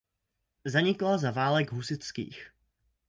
Zanikla za válek husitských.